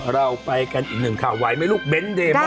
เราไปกันอีกหนึ่งข่าวไหวไหมลูกเบ้นเดมอ